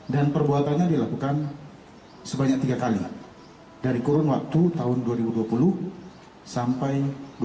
perbuatannya dilakukan sebanyak tiga kali dari kurun waktu tahun dua ribu dua puluh sampai dua ribu dua puluh